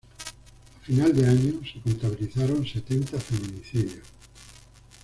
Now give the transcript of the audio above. A final de año se contabilizaron setenta feminicidios.